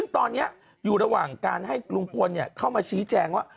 ซึ่งตอนนี้อยู่ระหว่างการให้ลุงพลเข้ามาชี้แจงว่า